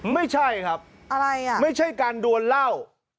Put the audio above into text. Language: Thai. ไม่ใช่ครับไม่ใช่การดวนเล่า